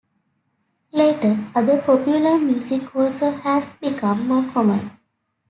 Later, other popular music also has become more common.